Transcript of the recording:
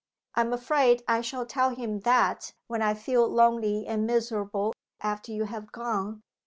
I am afraid I shall tell him that, when I feel lonely and miserable, after you have gone.